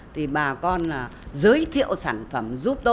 thì bà con là giới thiệu sản phẩm